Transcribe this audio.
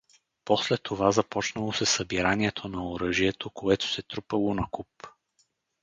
После това започнало се събиранието на оръжието, което се трупало накуп.